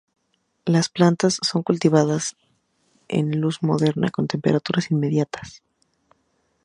Las plantas son cultivadas en luz moderada con temperaturas intermedias.